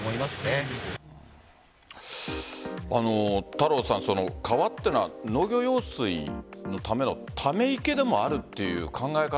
太郎さん川というのは農業用水のためのため池でもあるという考え方